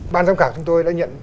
bàn giám khảo chúng tôi đã nhận